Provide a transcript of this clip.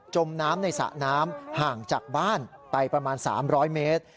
มน้ำในสระน้ำห่างจากบ้านไปประมาณ๓๐๐เมตร